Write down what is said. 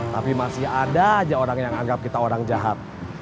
tapi masih ada aja orang yang anggap kita orang jahat